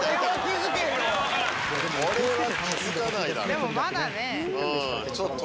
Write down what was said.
でもまだね。